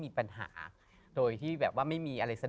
พี่ยังไม่ได้เลิกแต่พี่ยังไม่ได้เลิก